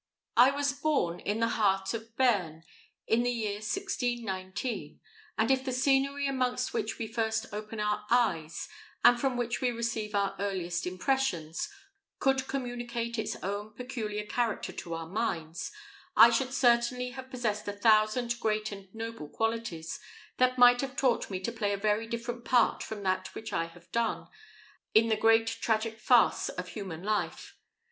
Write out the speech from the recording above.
I was born in the heart of Bearn, in the year 1619; and if the scenery amongst which we first open our eyes, and from which we receive our earliest impressions, could communicate its own peculiar character to our minds, I should certainly have possessed a thousand great and noble qualities, that might have taught me to play a very different part from that which I have done, in the great tragic farce of human life.